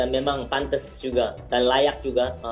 memang pantes juga dan layak juga